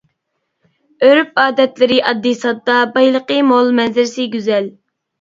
ئۆرپ-ئادەتلىرى ئاددىي-ساددا، بايلىقى مول، مەنزىرىسى گۈزەل.